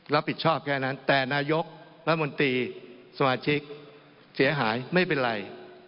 รับผิดชอบแค่นั้นแต่นายกรัฐมนตรีสมาชิกเสียหายไม่เป็นไร